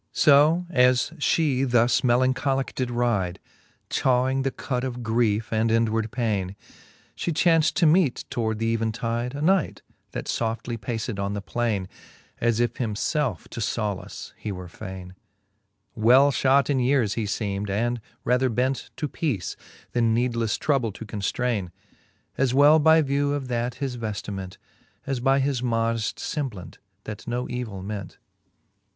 So as (he thus melancholicke did ride, Chawing the cud of griefe and inward paine. She chaunft to meete toward th'even tide A knight, that foftly paced on the plaine, As if himfelfe to fblace he were faine. Well {hot in yeares he {eem'd, and rather bent To peace, then needlefTe trouble to conftraine, As well by view of that his veftiment, And by his modeft femblant, that no evill ment.